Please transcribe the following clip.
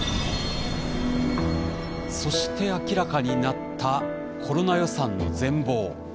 そして明らかになったコロナ予算の全貌。